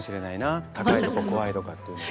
高いとこ怖いとかっていうのは。